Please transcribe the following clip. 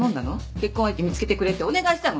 結婚相手見つけてくれってお願いしたの？